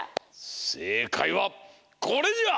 せいかいはこれじゃ！